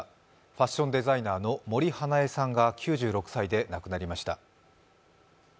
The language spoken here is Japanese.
ファッションデザイナーの森英恵さんが９６歳で亡くなりました。